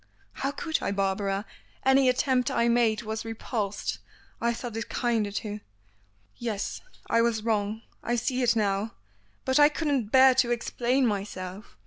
"How could I, Barbara? Any attempt I made was repulsed. I thought it kinder to " "Yes I was wrong. I see it now. But I couldn't bear to explain myself.